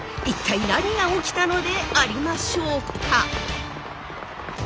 一体何が起きたのでありましょうか？